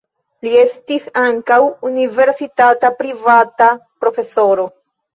Li estis ankaŭ universitata privata profesoro.